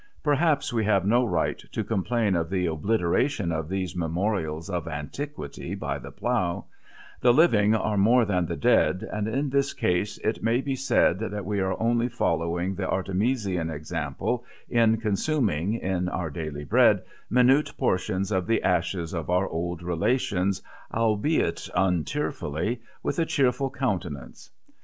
Perhaps we have no right to complain of the obliteration of these memorials of antiquity by the plough; the living are more than the dead, and in this case it may be said that we are only following the Artemisian example in consuming (in our daily bread) minute portions of the ashes of our old relations, albeit untearfully, with a cheerful countenance.